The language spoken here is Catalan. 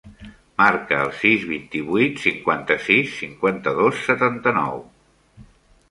Marca el sis, vint-i-vuit, cinquanta-sis, cinquanta-dos, setanta-nou.